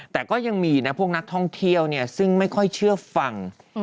แต่ก็ยังมีนะพวกนักท่องเที่ยวซึ่งไม่ค่อยเชื่อฟัง